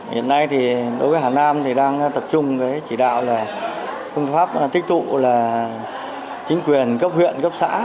hiện nay đối với hà nam đang tập trung chỉ đạo công pháp tích tụ chính quyền cấp huyện cấp xã